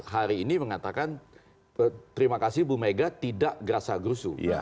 hari ini mengatakan terima kasih bu mega tidak gerasa gerusu